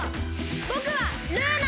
ぼくはルーナ！